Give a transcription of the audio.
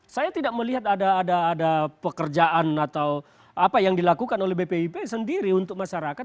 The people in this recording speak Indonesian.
saya tidak melihat ada pekerjaan atau apa yang dilakukan oleh bpip sendiri untuk masyarakat